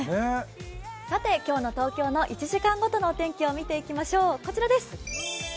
今日の東京の１時間ごとのお天気を見ていきましょう。